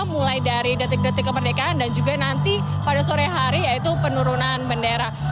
mulai dari detik detik kemerdekaan dan juga nanti pada sore hari yaitu penurunan bendera